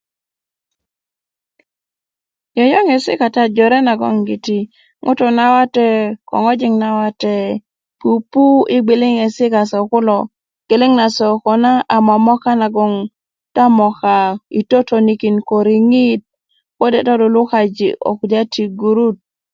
yöyöŋesi kata jore nagon giti ŋutu' na wate ko ŋojik na wate pupu ko yi gbiliŋesi kase kulo geleŋ na se koko na a momoka nagon ta moka yi totonikin ko riŋit ko de ta lulukaji ko kulya ti gurut